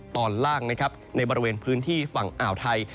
ตอนล่างนะครับในบริเวณพื้นที่ฝั่งอ่าวไทย